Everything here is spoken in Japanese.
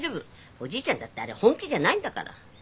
おじいちゃんだってあれ本気じゃないんだから。